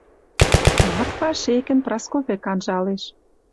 Марфа шекӹн Праско вӹк анжалеш